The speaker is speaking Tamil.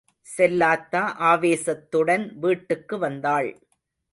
செல்லாத்தா ஆவேசத்துடன் வீட்டுக்கு வந்தாள்.